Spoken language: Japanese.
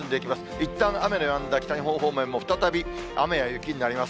いったん雨のやんだ北日本方面も、再び雨や雪になります。